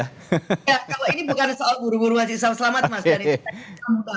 kalau ini bukan soal buru buru kasih selamat mas